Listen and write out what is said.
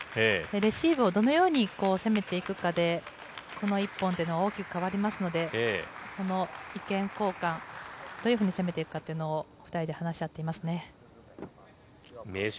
レシーブをどのように攻めていくかで、この１本というのは大きく変わりますので、その意見交換、どういうふうに攻めていくのかというのを２人で話し合っています名将、